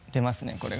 これが。